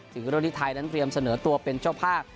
ถึงเรื่องที่ไทยนั้นเตรียมเสนอตัวเป็นเจ้าภาพ